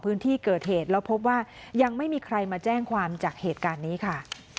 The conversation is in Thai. พื้นที่เกิดเหตุแล้วพบว่ายังไม่มีใครมาแจ้งความจากเหตุการณ์นี้ค่ะ